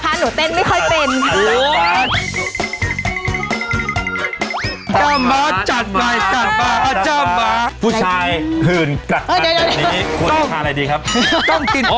สั่งเลยหนูเอาเมนูนี้